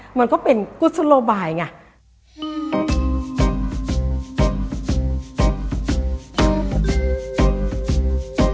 มันก็เป็นกุศโลบายไง